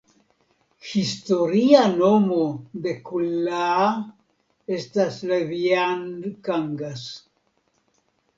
Historia nomo de Kullaa estas Leviankangas.